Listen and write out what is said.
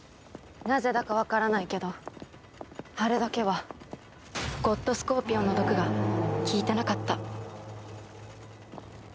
なぜだかわからないけどあれだけはゴッドスコーピオンの毒が効いてなかった。